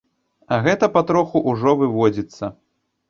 А гэта патроху ўжо выводзіцца.